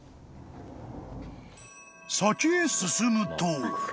［先へ進むと］